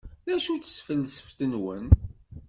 D acu-tt tfelseft-nwen?